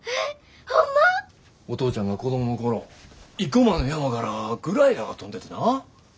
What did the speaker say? お父ちゃんが子供の頃生駒の山からグライダーが飛んでてな。